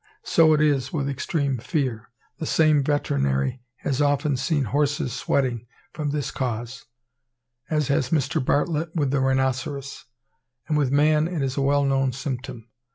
So it is with extreme fear; the same veterinary has often seen horses sweating from this cause; as has Mr. Bartlett with the rhinoceros; and with man it is a well known symptom.